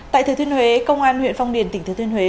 tại thời thuyên huế công an huyện phong điền tỉnh thời thuyên huế